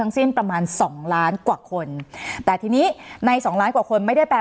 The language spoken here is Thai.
สนับสนุนโดยพี่โพเพี่ยวสะอาดใสไร้คราบ